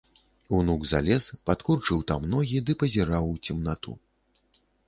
Унук залез, падкурчыў там ногі ды пазіраў у цемнату.